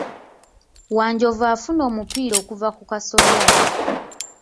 Wanjovu afuna omupiira okuva ku kasolya.